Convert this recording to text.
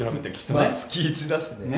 まあ月１だしね。